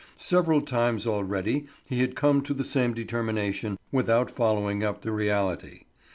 Several times already he had come to the same determination without following up the reality.